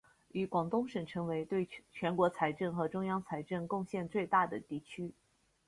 与广东省成为对全国财政和中央财政贡献最大的地区。